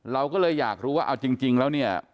เราก็เลยอยากรู้ว่าเอาจริงแล้วเนี่ย